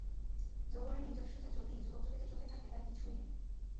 যৌবনের নিজস্ব যে-জ্যোতি যুবক-যুবতীর চোখে থাকে তার কিছুই নেই।